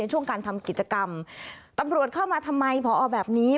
ช่วงการทำกิจกรรมตำรวจเข้ามาทำไมพอแบบนี้